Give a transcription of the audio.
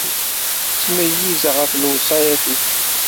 Ttmeyyizeɣ ɣef lewṣayat-ik.